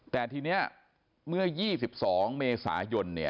แต่ทีนี้เมื่อ๒๒เมษายน